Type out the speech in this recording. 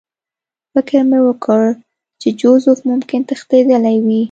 فکر مې وکړ چې جوزف ممکن تښتېدلی وي